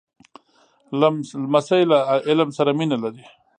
لمسی له علم سره مینه لري.